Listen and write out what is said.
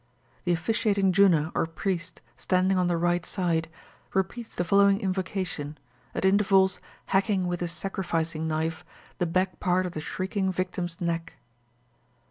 The officiating Junna or priest, standing on the right side, repeats the following invocation, at intervals hacking with his sacrificing knife the back part of the shrieking victim's neck.